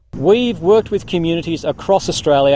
kita telah bekerja dengan komunitas di seluruh australia